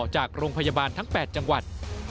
จากโรงพยาบาลทั้ง๘จังหวัด